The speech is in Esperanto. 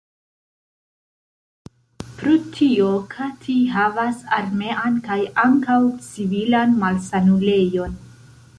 Pro tio Kati havas armean kaj ankaŭ civilan malsanulejon.